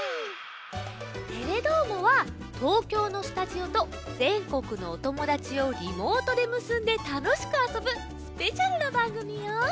「テレどーも！」は東京のスタジオとぜんこくのおともだちをリモートでむすんでたのしくあそぶスペシャルなばんぐみよ。